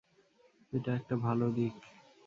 এটা একটা ভালো দিক।